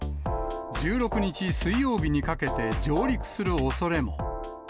１６日水曜日にかけて上陸するおそれも。